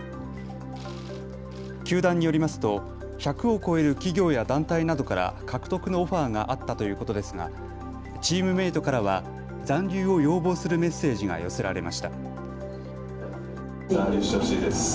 球団によりますと１００を超える企業や団体などから獲得のオファーがあったということですがチームメートからは残留を要望するメッセージが寄せられました。